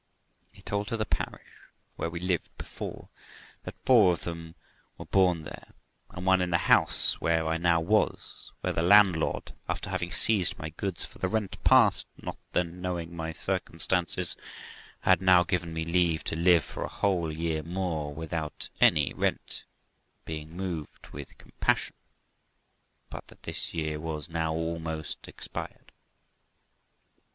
I told her the parish where we lived before, that four of them were born there, and one in the house where I now was, where the landlord, after having seized my goods for the rent past, not then knowing my circum stances, had now given me leave to live for a whole year more without any rent, being moved with compassion; but that this year was now almost expired.